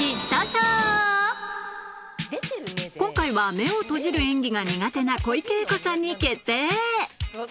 今回は目を閉じる演技が苦手な小池栄子さんに決定！